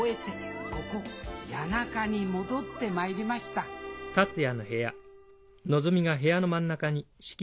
ここ谷中に戻ってまいりましたあれ？